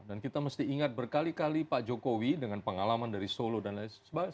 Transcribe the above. dan kita mesti ingat berkali kali pak jokowi dengan pengalaman dari solo dan lain sebagainya